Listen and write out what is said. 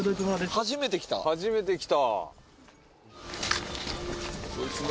初めて来た。